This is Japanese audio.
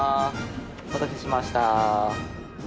お待たせしました。